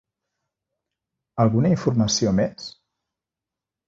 Alguna informació més?